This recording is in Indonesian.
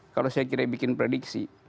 kalau saya kira bikin prediksi